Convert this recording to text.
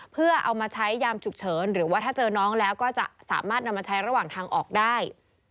เพื่อเอามาใช้ยามฉุกเฉินหรือว่าถ้าเจอน้องแล้วก็จะสามารถนำมาใช้ระหว่างทางออกได้